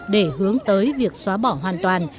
để hướng tới việc xóa bỏ hoàn toàn